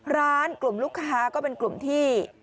ร้านกลุ่มลูกค้าก็เป็นกลุ่มที่